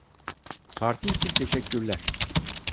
Parti için teşekkürler.